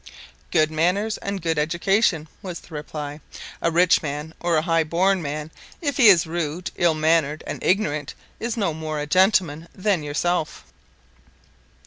"Good manners and good education," was the reply. "A rich man or a high born man, if he is rude, ill mannered, and ignorant, is no more a gentleman than yourself."